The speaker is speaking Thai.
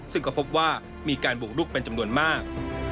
ซึ่งก็พบว่ามีการบุกลุกเป็นจำนวนมาก